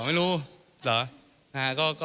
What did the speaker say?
ไม่รู้เหรอ